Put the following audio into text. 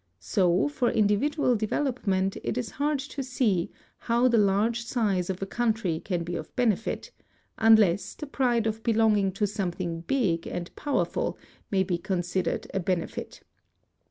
So for individual development it is hard to see how the large size of a country can be of benefit, unless the pride of belonging to something big and powerful may be considered a benefit.